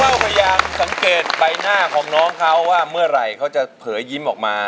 เราพยายามสังเกตใบหน้าของน้องเขาว่าเมื่อไหร่เขาจะเผยยิ้มออกมา